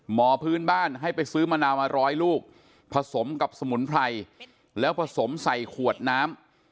หมอพื้นบ้านให้ไปซื้อมะนาวมาร้อยลูกผสมกับสมุนไพรแล้วผสมใส่ขวดน้ำ